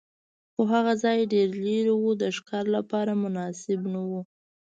خو هغه ځای ډېر لرې و، د ښکار لپاره مناسب نه و.